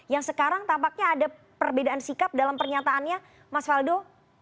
yang sekarang tampaknya ada perbedaan sikap dalam pernyataannya mas faldo